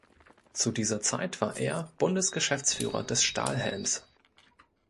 Zu dieser Zeit war er Bundesgeschäftsführer des Stahlhelms.